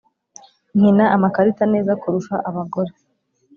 nkina amakarita neza kurusha abagore